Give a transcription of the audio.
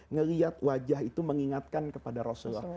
ngelihat wajah itu mengingatkan kepada rasulullah